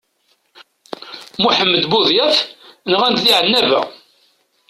Muḥemmed Buḍyaf nɣant di Ɛennaba.